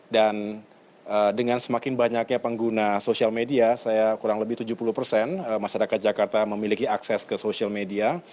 dan dengan semakin banyaknya pengguna media sosial saya kurang lebih tujuh puluh persen masyarakat jakarta memiliki akses ke media sosial